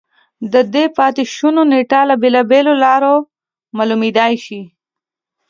د دې پاتې شونو نېټه له بېلابېلو لارو معلومېدای شي